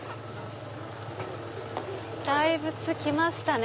大仏来ましたね！